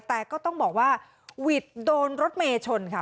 แต่ก็ต้องบอกว่าวิทย์โดนรถเมย์ชนค่ะ